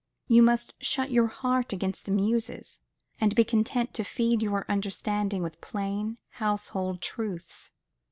You must shut your heart against the Muses, and be content to feed your understanding with plain, household truths.